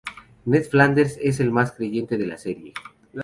Ned Flanders es el más creyente de la serie.